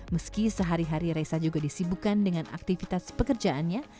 meski sehari hari reza juga disibukan dengan aktivitas pekerjaannya